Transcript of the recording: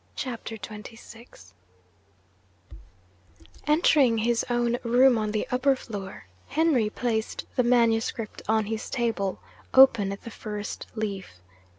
CHAPTER XXVI Entering his own room on the upper floor, Henry placed the manuscript on his table, open at the first leaf.